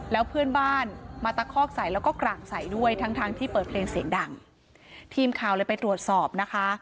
แล้วเพื่อนบ้านมาตะคอกใส่แล้วก็กร่างใส่ด้วยทั้งทั้งที่เปิดเพลงเสียงดังทีมข่าวเลยไปตรวจสอบนะคะ